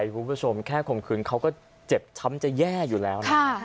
คุณผู้ชมแค่ข่มขืนเขาก็เจ็บช้ำจะแย่อยู่แล้วนะ